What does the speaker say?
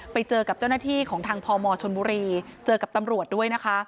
ไปเจอกับเจ้าหน้าที่ของทางพมชนบุรีเจอกับตำรวจด้วยนะคะ